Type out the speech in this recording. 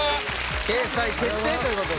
掲載決定ということで。